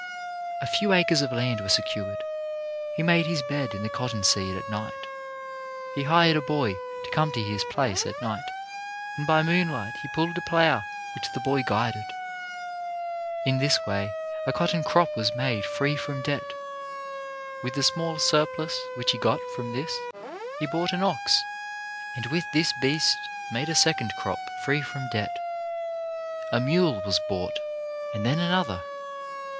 A few acres of land were secured. He made his bed in the cotton seed at night. He hired a boy DOWN TO MOTHER EARTH 261 to come to his place at night, and by moonlight he pulled a plough which the boy guided. In this way a cotton crop was made free from debt. With the small surplus which he got from this he bought an ox, and with this beast made a second crop free from debt. A mule was bought, and then another.